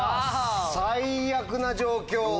最悪な状況。